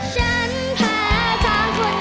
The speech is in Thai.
ฉันแพ้ทางคนเห็นเธอ